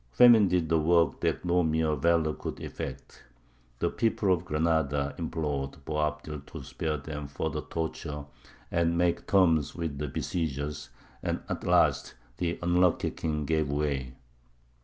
Famine did the work that no mere valour could effect. The people of Granada implored Boabdil to spare them further torture and make terms with the besiegers, and at last the unlucky king gave way.